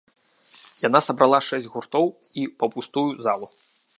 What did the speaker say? Яна сабрала шэсць гуртоў і паўпустую залу.